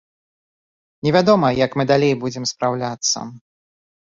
Невядома, як мы далей будзем спраўляцца.